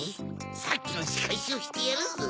さっきのしかえしをしてやるぞ。